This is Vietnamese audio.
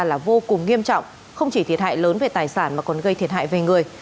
là vô cùng nghiêm trọng không chỉ thiệt hại lớn về tài sản mà còn gây thiệt hại về người